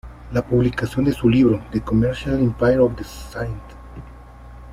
La publicación de su libro "The Commercial Empire of the St.